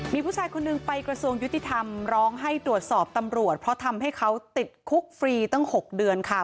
มีผู้ชายคนหนึ่งไปกระทรวงยุติธรรมร้องให้ตรวจสอบตำรวจเพราะทำให้เขาติดคุกฟรีตั้ง๖เดือนค่ะ